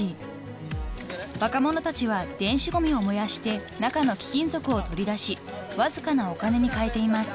［若者たちは電子ごみを燃やして中の貴金属を取り出しわずかなお金に換えています］